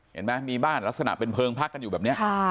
เห็นไหมมีบ้านลักษณะเป็นเพลิงพักกันอยู่แบบนี้